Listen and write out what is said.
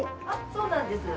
そうなんです。